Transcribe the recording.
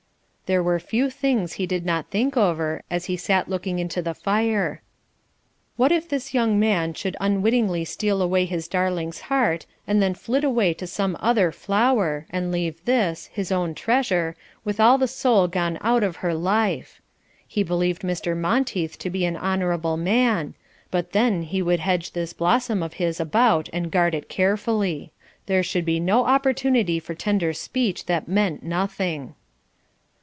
There were few things he did not think over as he sat looking into the fire. What if this young man should unwittingly steal away his darling's heart and then flit away to some other flower, and leave this, his own treasure, with all the soul gone out of her life. He believed Mr. Monteith to be an honourable man, but then he would hedge this blossom of his about and guard it carefully. There should be no opportunity for tender speech that meant nothing.